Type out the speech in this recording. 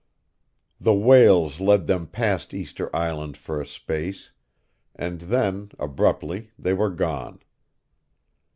The whales led them past Easter Island for a space; and then, abruptly, they were gone.